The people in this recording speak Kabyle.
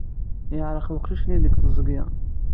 Yeɛreq weqcic-nni deg teẓgi.